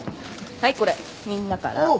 はいこれみんなから。